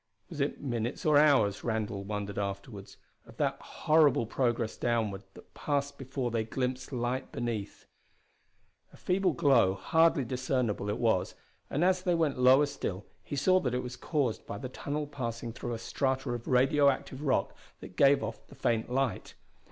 Was it minutes or hours, Randall wondered afterward, of that horrible progress downward, that passed before they glimpsed light beneath? A feeble glow, hardly discernible, it was, and as they went lower still he saw that it was caused by the tunnel passing through a strata of radio active rock that gave off the faint light.